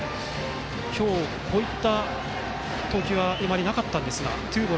今日、こういった投球はあまりなかったんですが。